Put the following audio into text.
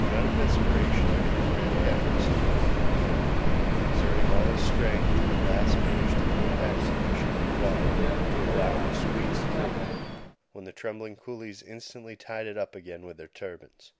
In utter desperation he made frantic efforts to open it, and exerting all his strength at last managed to pull it back sufficiently far to allow him to squeeze through, when the trembling coolies instantly tied it up again with their turbans.